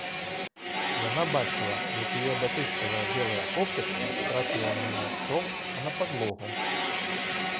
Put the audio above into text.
Яна бачыла, як яе батыставая белая кофтачка трапіла не на стол, а на падлогу.